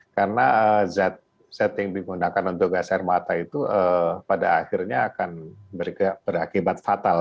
karena setting digunakan untuk gaser mata itu pada akhirnya akan berakibat fatal